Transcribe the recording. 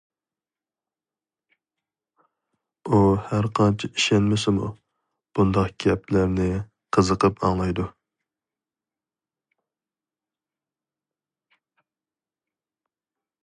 ئۇ ھەرقانچە ئىشەنمىسىمۇ، بۇنداق گەپلەرنى قىزىقىپ ئاڭلايدۇ.